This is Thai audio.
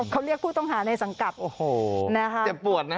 เขาเรียกผู้ต้องหาในสังกัดโอ้โหเจ็บปวดนะ